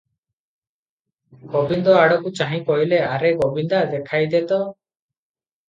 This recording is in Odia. ଗୋବିନ୍ଦ ଆଡ଼କୁ ଚାହିଁ କହିଲେ, "ଆରେ ଗୋବିନ୍ଦା ଦେଖାଇ ଦେ ତ ।"